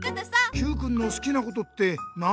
Ｑくんのすきなことって何？